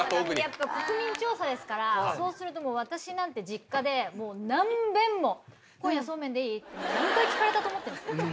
やっぱ国民調査ですからそうすると私なんて実家でもう何べんも今夜そうめんでいい？って何回聞かれたと思ってんですか。